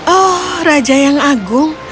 oh raja yang agung